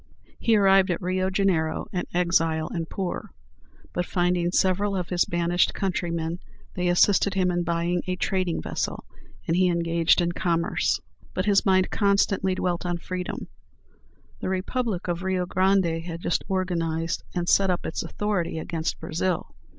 He arrived at Rio Janeiro, an exile and poor; but, finding several of his banished countrymen, they assisted him in buying a trading vessel; and he engaged in commerce. But his mind constantly dwelt on freedom. The Republic of Rio Grande had just organized and set up its authority against Brazil.